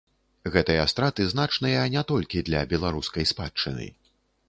Гэтыя страты значныя не толькі для беларускай спадчыны.